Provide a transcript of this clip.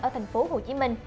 ở thành phố hồ chí minh